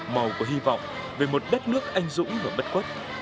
màu của hy vọng về một đất nước anh dũng và bất quất